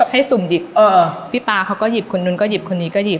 สุ่มดิบพี่ป๊าเขาก็หยิบคนนู้นก็หยิบคนนี้ก็หยิบ